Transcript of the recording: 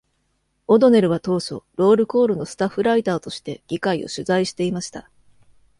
オドネルは当初、「ロールコール」のスタッフライターとして議会を取材していました。